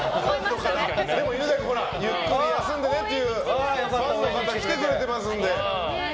でも犬飼君ゆっくり休んでねというファンの方も来てくれていますので。